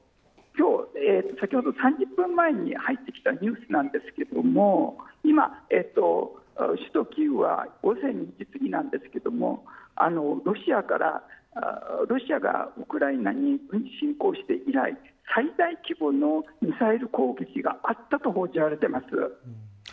もう一つは先ほど３０分前に入ってきたニュースなんですが今、首都キーウはロシアがウクライナに軍事侵攻して以来最大規模のミサイル攻撃があったと報じられています。